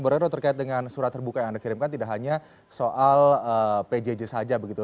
bu reno terkait dengan surat terbuka yang anda kirimkan tidak hanya soal pjj saja begitu